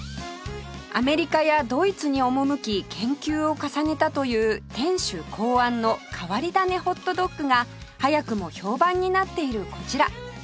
アメリカやドイツに赴き研究を重ねたという店主考案の変わり種ホットドッグが早くも評判になっているこちら